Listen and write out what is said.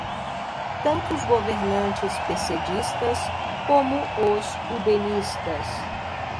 tanto os governantes pessedistas como os udenistas